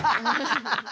ハハハハ！